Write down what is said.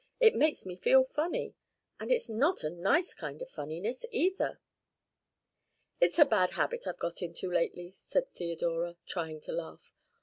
It makes me feel funny and it's not a nice kind of funniness either." "It's a bad habit I've got into lately," said Theodora, trying to laugh.